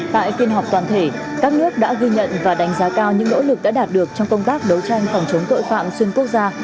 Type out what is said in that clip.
tại phiên họp toàn thể các nước đã ghi nhận và đánh giá cao những nỗ lực đã đạt được trong công tác đấu tranh phòng chống tội phạm xuyên quốc gia